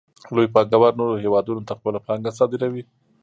لوی پانګوال نورو هېوادونو ته خپله پانګه صادروي